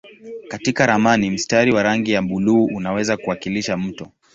Katika ramani mstari wa rangi ya buluu unaweza kuwakilisha mto.